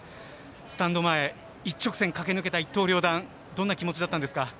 スタンド前一直線駆け抜けた一刀両断どんな気持ちだったんですか？